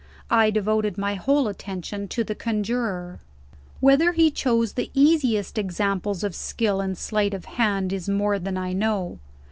I devoted my whole attention to the Conjurer. Whether he chose the easiest examples of skill in sleight of hand is more than I know.